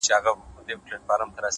ده ناروا _